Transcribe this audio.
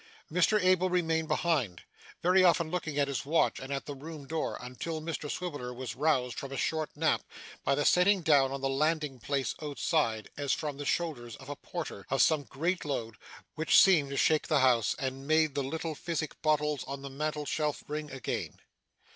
Mr Abel remained behind, very often looking at his watch and at the room door, until Mr Swiveller was roused from a short nap, by the setting down on the landing place outside, as from the shoulders of a porter, of some giant load, which seemed to shake the house, and made the little physic bottles on the mantel shelf ring again.